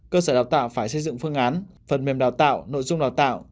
cơ sở đào tạo phải xây dựng phương án phần mềm đào tạo nội dung đào tạo